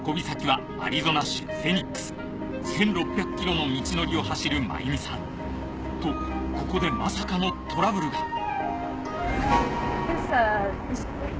先はアリゾナ州フェニックス１，６００ｋｍの道のりを走るマユミさんとここでまさかのトラブルが！